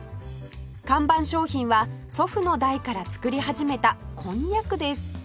看板商品は祖父の代から作り始めたこんにゃくです